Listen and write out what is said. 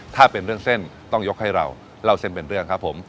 ถ้าเป็นเรื่องเส้นต้องยกให้เราเล่าเส้นเป็นเรื่องครับผม